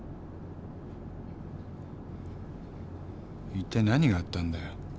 一体何があったんだよ？